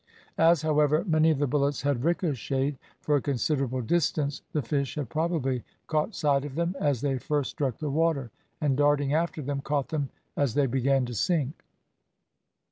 As, however, many of the bullets had ricocheted for a considerable distance, the fish had probably caught sight of them as they first struck the water, and darting after them, caught them as they began to sink.